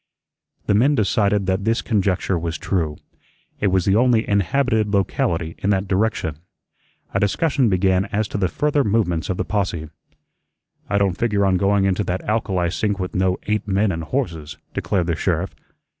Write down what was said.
The men decided that this conjecture was true. It was the only inhabited locality in that direction. A discussion began as to the further movements of the posse. "I don't figure on going into that alkali sink with no eight men and horses," declared the sheriff.